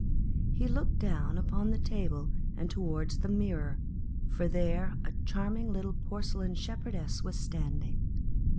He looked down upon the table and towards the mirror, for there a charming little porce lain Shepherdess was standing.